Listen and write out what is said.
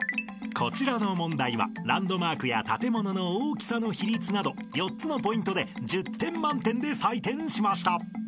［こちらの問題はランドマークや建物の大きさの比率など４つのポイントで１０点満点で採点しました］